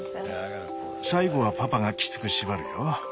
最後はパパがきつく縛るよ。